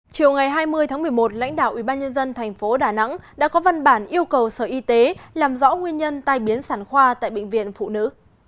chiều ngày hai mươi tháng một mươi một lãnh đạo ubnd tp đà nẵng đã có văn bản yêu cầu sở y tế làm rõ nguyên nhân tai biến sản khoa tại bệnh viện phụ nữ